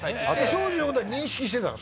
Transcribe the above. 庄司のことは認識してたの？